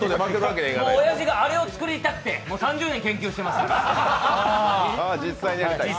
親父あれを作りたくて３０年研究してますから。